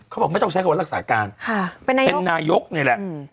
เขาบอกไม่ต้องใช้คำว่ารักษาการค่ะเป็นนายกนี่แหละ